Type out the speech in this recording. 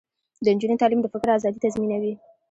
د نجونو تعلیم د فکر ازادي تضمینوي.